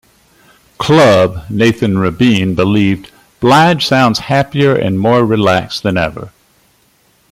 Club", Nathan Rabin believed "Blige sounds happier and more relaxed than ever.